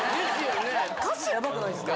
歌詞やばくないですか。